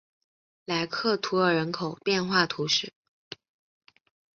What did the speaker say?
莱克图尔人口变化图示